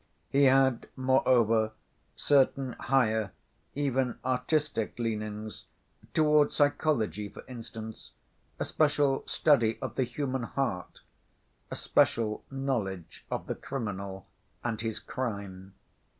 He had, moreover, certain higher, even artistic, leanings, towards psychology, for instance, a special study of the human heart, a special knowledge of the criminal and his crime.